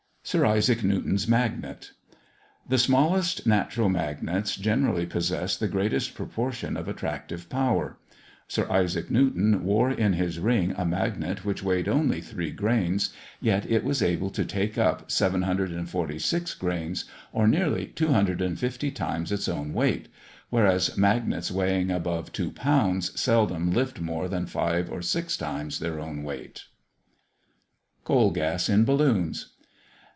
SIR ISAAC NEWTON'S MAGNET. The smallest natural Magnets generally possess the greatest proportion of attractive power. Sir Isaac Newton wore in his ring a magnet which weighed only three grains; yet it was able to take up 746 grains, or nearly 250 times its own weight whereas magnets weighing above two pounds seldom lift more than five or six times their own weight. COAL GAS in BALLOONS.